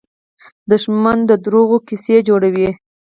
دښمن د دروغو قصې جوړوي